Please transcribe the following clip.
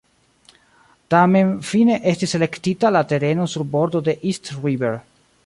Tamen fine estis elektita la tereno sur bordo de East River.